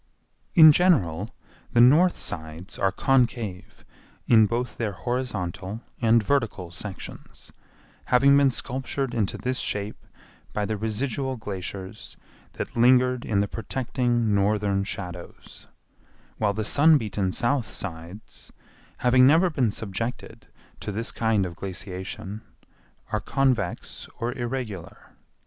In general, the north sides are concave in both their horizontal and vertical sections, having been sculptured into this shape by the residual glaciers that lingered in the protecting northern shadows, while the sun beaten south sides, having never been subjected to this kind of glaciation, are convex or irregular.